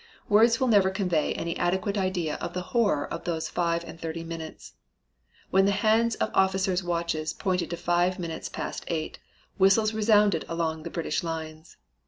"Words will never convey any adequate idea of the horror of those five and thirty minutes. When the hands of officers' watches pointed to five minutes past eight, whistles resounded along the British lines.